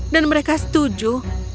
dan mereka setuju